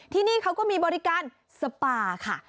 ที่นี่เขาก็มีบริการสปาค่ะ